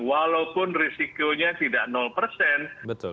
walaupun risikonya tidak